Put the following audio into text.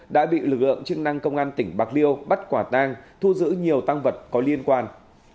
đã bị lực lượng chức năng công an tỉnh bạc liêu bắt quả tang thu giữ nhiều tăng vật có liên quan